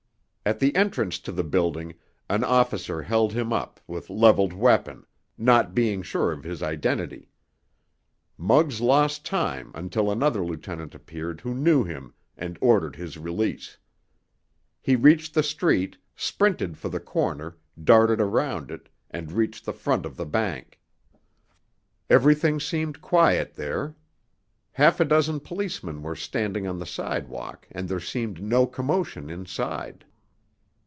At the entrance to the building an officer held him up with leveled weapon, not being sure of his identity. Muggs lost time until another lieutenant appeared who knew him and ordered his release. He reached the street, sprinted for the corner, darted around it, and reached the front of the bank. Everything seemed quiet there. Half a dozen policemen were standing on the sidewalk, and there seemed no commotion inside.